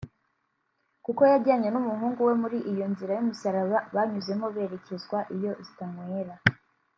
kuko yajyanye n’umuhungu we muri iyo nzira y’umusaraba banyuzemo berekezwa iyo zitanywera